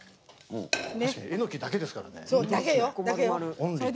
「えのきだけ」ですからね。